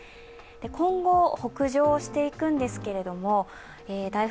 今後、北上していくんですけれども台風、